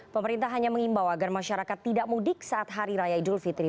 pemerintah hanya mengimbau agar masyarakat tidak mudik saat hari raya idul fitri